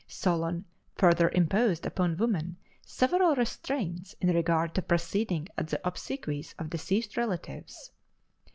Solon further imposed upon women several restraints in regard to proceeding at the obsequies of deceased relatives.